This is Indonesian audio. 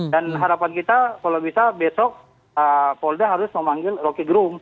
dan harapan kita kalau bisa besok polda harus memanggil roky gerung